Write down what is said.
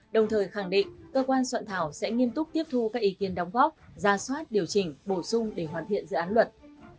đồng thời khẳng định cơ quan soạn thảo sẽ nghiêm túc tiếp thu các ý kiến đóng góp ra soát điều chỉnh bổ sung để hoàn thiện dự án luật